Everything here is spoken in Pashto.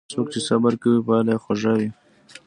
څوک چې صبر کوي، پایله یې خوږه وي.